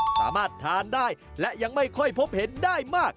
สามารถทานได้และยังไม่ค่อยพบเห็นได้มาก